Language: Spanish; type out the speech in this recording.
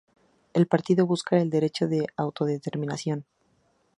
El partido busca el derecho de autodeterminación.